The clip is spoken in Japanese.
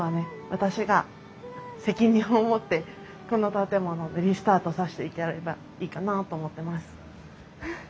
私が責任を持ってこの建物でリスタートさしていければいいかなあと思ってます。